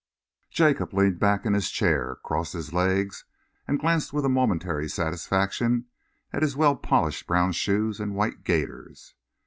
Jacob leaned back in his chair, crossed his legs, and glanced with a momentary satisfaction at his well polished brown shoes and white gaiters.